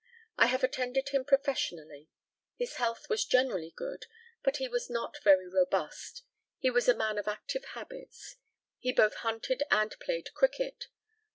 I have attended him professionally. His health was generally good, but he was not very robust. He was a man of active habits. He both hunted and played cricket.